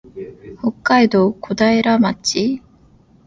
北海道小平町